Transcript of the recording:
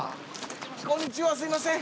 こんにちはすいません